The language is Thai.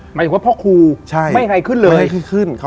หมายถึงว่าพ่อครูไม่ให้ใครขึ้นเลย